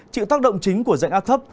chịu tác động chính của dạng ác thấp